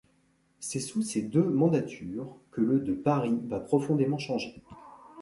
C'est sous ses deux mandatures que le de Paris va profondément changer.